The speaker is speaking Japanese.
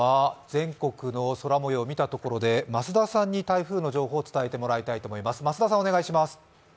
全国の空もよう見たところで増田さんに台風の情報、伝えてもらいたいと思います。